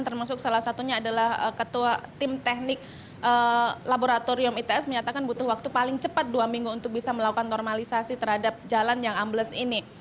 termasuk salah satunya adalah ketua tim teknik laboratorium its menyatakan butuh waktu paling cepat dua minggu untuk bisa melakukan normalisasi terhadap jalan yang ambles ini